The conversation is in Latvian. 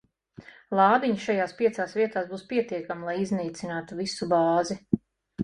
Lādiņi šajās piecās vietās būs pietiekami, lai iznīcinātu visu bāzi.